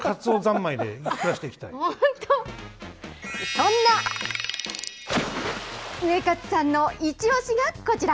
そんなウエカツさんのイチオシがこちら。